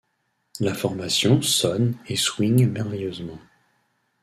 La formation sonne et swingue merveilleusement.